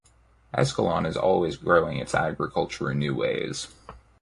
Escalon is always growing its agriculture in new ways.